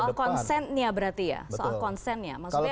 soal konsennya berarti ya